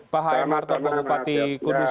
pak hmr dan pak bupati kudus